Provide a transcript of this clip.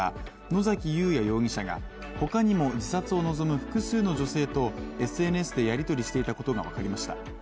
野崎祐也容疑者が、ほかにも自殺を望む複数の女性とＳＮＳでやりとりしていたことが分かりました。